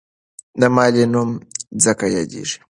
د ملالۍ نوم ځکه یاديږي.